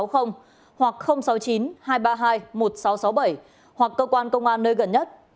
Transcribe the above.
hoặc sáu mươi chín hai trăm ba mươi hai một nghìn sáu trăm sáu mươi bảy hoặc cơ quan công an nơi gần nhất